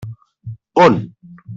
On?